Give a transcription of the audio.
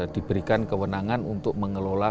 diberikan kewenangan untuk mengelola